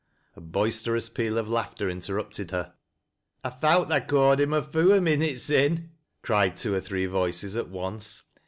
A boisterous peal of laughter interrupted her. " I thowt tha' ca'ed him a foo' a minute sin'," cried twc or three voices at once.